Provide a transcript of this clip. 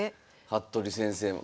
服部先生も。